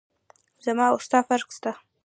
زما او ستا فرق سته.